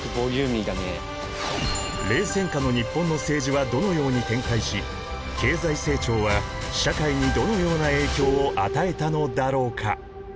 冷戦下の日本の政治はどのように展開し経済成長は社会にどのような影響を与えたのだろうか？